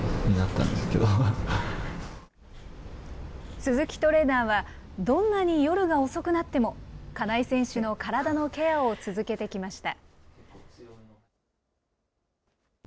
鈴木トレーナーは、どんなに夜が遅くなっても、金井選手の体のケアを続けてきました。